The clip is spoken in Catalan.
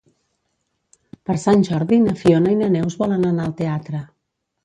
Per Sant Jordi na Fiona i na Neus volen anar al teatre.